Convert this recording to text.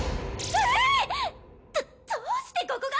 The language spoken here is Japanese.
どどうしてここが！？